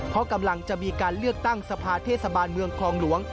เพราะกำลังจะมีการเลือกตั้งสภาเทศบาลเมืองคลองหลวง